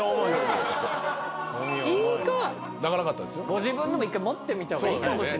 ご自分のも１回持ってみた方がいいかもしれない。